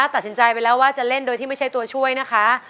ตัดสินใจไปแล้วว่าจะเล่นโดยที่ไม่ใช่ตัวช่วยนะคะ